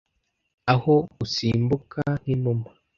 aho usimbuka nk'inuma